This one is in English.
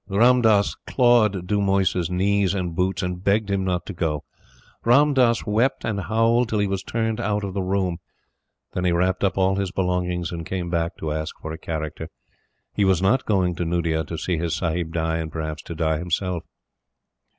Ram Dass clawed Dumoise's knees and boots and begged him not to go. Ram Dass wept and howled till he was turned out of the room. Then he wrapped up all his belongings and came back to ask for a character. He was not going to Nuddea to see his Sahib die, and, perhaps to die himself.